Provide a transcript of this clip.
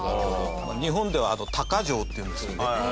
日本では鷹匠っていうんですよね。